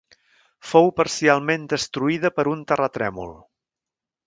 Fou parcialment destruïda per un terratrèmol.